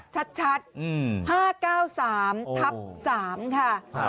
ชัด๕๙๓ทับ๓ค่ะ